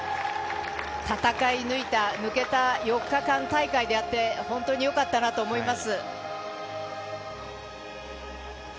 戦い抜けた４日間の大会であって、本当によかったなと思います。